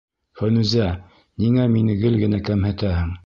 Фәнүзә, ниңә мине гел генә кәмһетәһең?